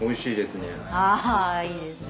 あぁいいですね。